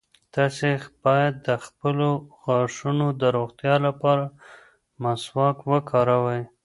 تاسي باید د خپلو غاښونو د روغتیا لپاره مسواک وکاروئ.